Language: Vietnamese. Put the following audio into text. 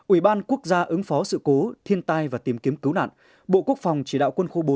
ủy ban quốc gia ứng phó sự cố thiên tai và tìm kiếm cứu nạn bộ quốc phòng chỉ đạo quân khu bốn